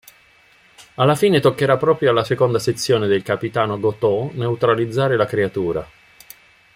Alla fine toccherà proprio alla Seconda Sezione del capitano "Goto" neutralizzare la creatura.